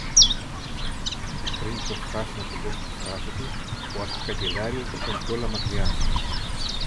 Πριν προφθάσει να τελειώσει τη φράση του, ο αρχικαγκελάριος ήταν κιόλα μακριά.